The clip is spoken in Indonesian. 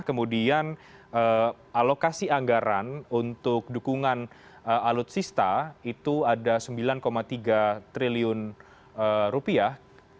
kemudian alokasi anggaran untuk dukungan alutsista itu ada sembilan tiga triliun rupiah